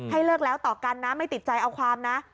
เลิกแล้วต่อกันนะไม่ติดใจเอาความนะ